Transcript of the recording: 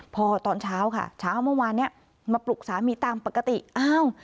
พอตอนเช้าค่ะเช้าเมื่อวานเนี้ยมาปลุกสามีตามปกติอ้าว